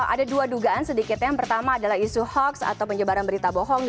ada dua dugaan sedikitnya yang pertama adalah isu hoax atau penyebaran berita bohong